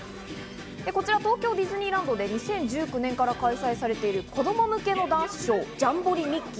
東京ディズニーランドで２０１９年から開催されている子供向けのダンスショー、ジャンボリミッキ−！